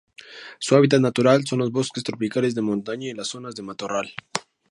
Su hábitat natural son los bosques tropicales de montaña y las zonas de matorral.